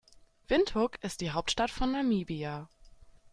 Windhoek ist die Hauptstadt von Namibia.